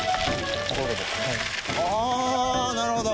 あなるほど。